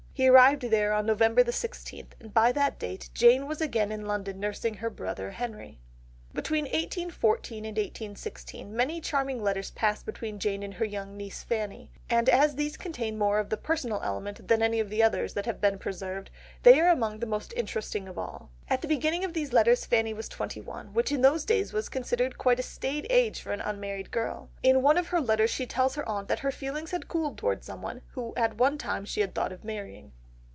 He arrived there on November the sixteenth, and by that date Jane was again in London nursing her brother Henry. Between 1814 and 1816 many charming letters passed between Jane and her young niece Fanny, and as these contain more of the personal element than any of the others that have been preserved, they are among the most interesting of all. At the beginning of these letters Fanny was twenty one, which in those days was considered quite a staid age for an unmarried girl. In one of her letters she tells her aunt that her feelings had cooled towards someone, who at one time she had thought of marrying.